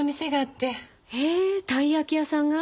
へえ鯛焼き屋さんが？